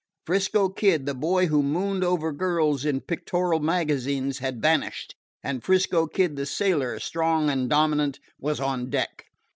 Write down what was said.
'Frisco Kid the boy who mooned over girls in pictorial magazines had vanished, and 'Frisco Kid the sailor, strong and dominant, was on deck.